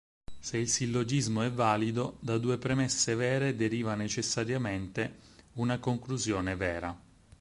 Se il sillogismo è valido, da due premesse vere deriva necessariamente una conclusione vera.